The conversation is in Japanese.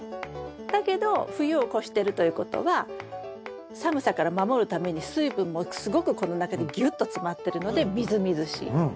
だけど冬を越してるということは寒さから守るために水分もすごくこの中にぎゅっと詰まってるのでみずみずしい。